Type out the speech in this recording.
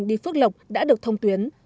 đi phước lộc đã được thông tuyến